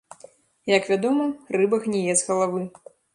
Як вядома, рыба гніе з галавы.